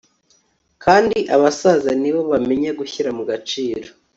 kandi abasaza ni bo bamenya gushyira mu gaciro